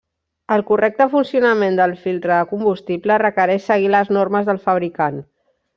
El correcte funcionament del filtre de combustible requereix seguir les normes del fabricant.